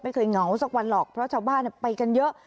ไม่เคยเหงาสักวันนหรอกเพราะชาวบ้านน่ะไปกันเยอะ